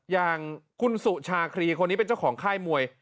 อย่างคุณสุชาครีคนนี้เป็นเจ้าของค่ายมวย